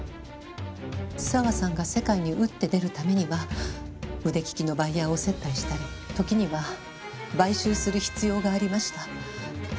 佐和さんが世界に打って出るためには腕利きのバイヤーを接待したり時には買収する必要がありました。